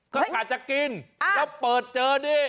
เขากลับจะกินแล้วเปิดเจอ